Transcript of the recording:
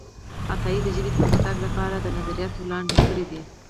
عطايي د ژبې د پرمختګ لپاره نظریات وړاندې کړي دي.